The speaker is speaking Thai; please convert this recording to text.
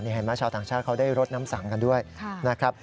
เห็นไหมชาวต่างชาติเขาได้รดน้ำสังกันด้วยนะครับ